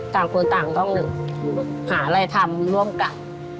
ต่างคนต่างต้องหาอะไรทำร่วมกัน